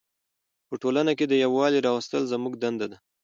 په ټولنه کې د یووالي راوستل زموږ دنده ده.